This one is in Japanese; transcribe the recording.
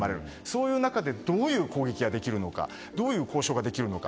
そういう中でどういう攻撃ができるのかどういう交渉ができるのか。